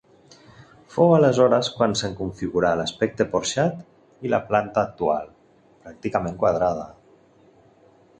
Fou aleshores quan se'n configurà l'aspecte porxat i la planta actual, pràcticament quadrada.